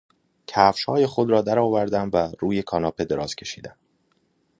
کفشهای خود را در آوردم و روی کاناپه دراز کشیدم.